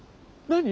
何？